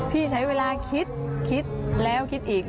พี่ใช้เวลาคิดคิดแล้วคิดอีก